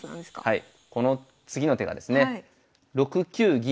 はい。